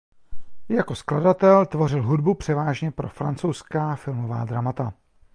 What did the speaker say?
Jako skladatel tvořil hudbu převážně pro francouzská filmová dramata.